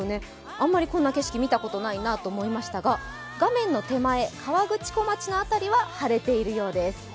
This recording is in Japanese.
あんまりこんな景色見たことないなと思いましたが、画面の手前、河口湖町の辺りは晴れているようです。